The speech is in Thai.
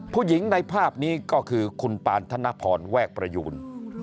ผู้หญิงในภาพนี้ก็คือคุณปานธนพรแวกประยูน